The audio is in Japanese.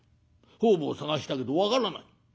方々捜したけど分からない。